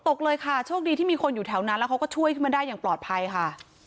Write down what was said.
ตกเลยค่ะโชคดีที่มีคนอยู่แถวนั้นแล้วเขาก็ช่วยขึ้นมาได้อย่างปลอดภัยค่ะ